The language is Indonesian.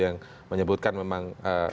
yang menyebutkan memang